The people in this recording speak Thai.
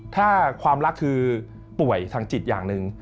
ถ้าความรักคือป่วยทางจิตอย่างหนึ่ง